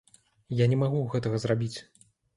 Я не магу гэтага зрабіць.